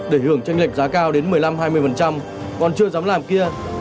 để hưởng tranh lệch giá cao đến một mươi năm hai mươi còn chưa dám làm kia